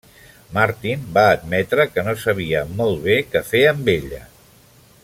Martin va admetre que no sabia molt bé què fer amb ella.